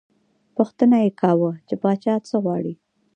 پوښتنه یې کاوه، چې پاچا څه غواړي.